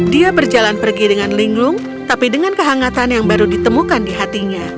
dia berjalan pergi dengan linglung tapi dengan kehangatan yang baru ditemukan di hatinya